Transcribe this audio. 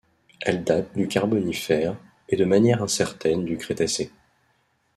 Elles datent du Carbonifère et de manière incertaine du Crétacé.